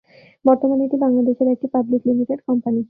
বর্তমানে এটি বাংলাদেশের একটি পাবলিক লিমিটেড কোম্পানি।